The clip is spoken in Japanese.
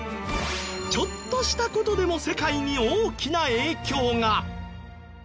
ちょっとした事でも世界に大きな影響が。